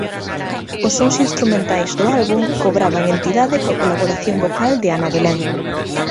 Os sons instrumentais do álbum cobraban entidade coa colaboración vocal de Ana Belén.